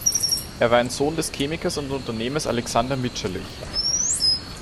Er war ein Sohn des Chemikers und Unternehmers Alexander Mitscherlich.